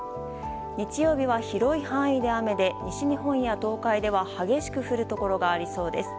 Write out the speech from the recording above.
日曜日は広い範囲で雨で西日本や東海では激しく降るところがありそうです。